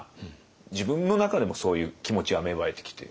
自分の中でもそういう気持ちは芽生えてきて。